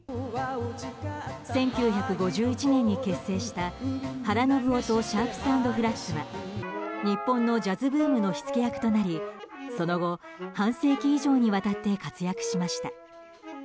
１９５１年に結成した原信夫とシャープス＆フラッツは日本のジャズブームの火付け役となりその後、半世紀以上にわたって活躍しました。